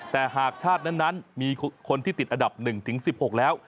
แต่หากชาตินั้นมีคนที่ติดอันดับ๑ถึง๑๖แล้ว